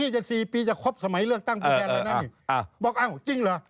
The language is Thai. จริงเหรอ